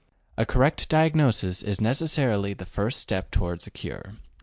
A correct diagnosis is necessarily the first step toward a cure.